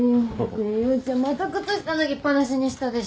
ねえ陽ちゃんまた靴下脱ぎっぱなしにしたでしょ？